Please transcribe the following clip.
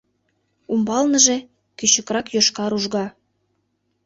Умбалныже — кӱчыкрак йошкар ужга.